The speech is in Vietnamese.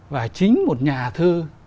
và chính một nhà thư